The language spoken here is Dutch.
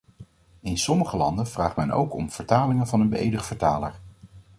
In sommige landen vraagt men ook om vertalingen van een beëdigd vertaler.